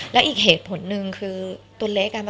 แล้วอีกเหตุผลหนึ่งคือตัวเล็ก